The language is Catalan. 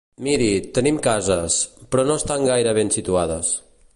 Miri, tenim cases, però no estan gaire ben situades.